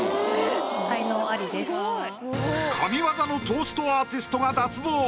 神業のトーストアーティストが脱帽。